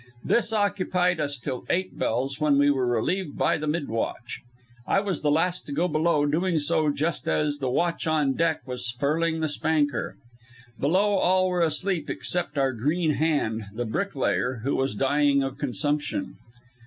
This occupied us till eight bells, when we were relieved by the mid watch. I was the last to go below, doing so just as the watch on deck was furling the spanker. Below all were asleep except our green hand, the "bricklayer," who was dying of consumption.